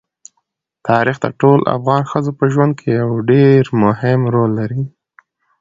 تاریخ د ټولو افغان ښځو په ژوند کې یو ډېر مهم رول لري.